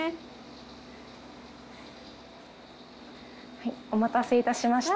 はいお待たせいたしました。